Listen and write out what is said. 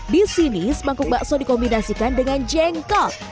di sini sebangkuk bakso dikombinasikan dengan jengkol